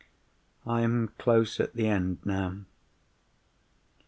I am close at the end now.